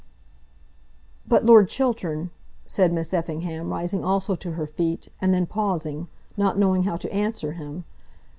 "But, Lord Chiltern, " said Miss Effingham, rising also to her feet, and then pausing, not knowing how to answer him.